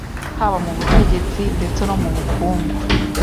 haba mu butegetsi, ndetse no mu bukungu,